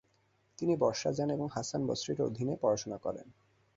তিনি বসরা যান এবং হাসান বসরির অধীনে পড়াশোনা করেন।